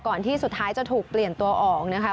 ที่สุดท้ายจะถูกเปลี่ยนตัวออกนะคะ